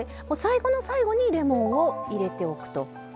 もう最後の最後にレモンを入れておくと。